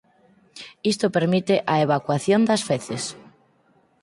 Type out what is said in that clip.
Isto permite a evacuación das feces.